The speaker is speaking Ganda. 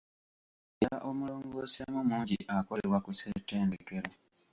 Soya omulongoseemu mungi akolebwa ku ssettendekero.